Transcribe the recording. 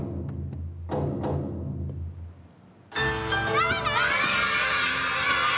バイバイ！